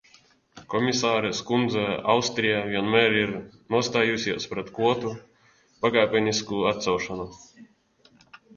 Komisāres kundze, Austrija vienmēr ir nostājusies pret kvotu pakāpenisku atcelšanu.